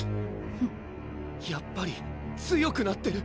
フッやっぱり強くなってる！